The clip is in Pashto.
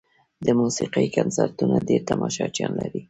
د موسیقۍ کنسرتونه ډېر تماشچیان لري.